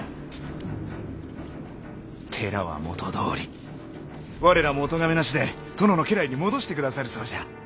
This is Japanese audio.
寺は元どおり我らもお咎めなしで殿の家来に戻してくださるそうじゃ！